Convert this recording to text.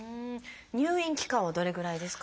入院期間はどれぐらいですか？